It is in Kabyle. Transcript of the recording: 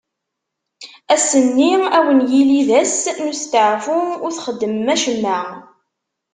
Ass-nni ad wen-yili d ass n usteɛfu, ur txeddmem acemma.